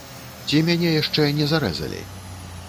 Ці мяне яшчэ не зарэзалі?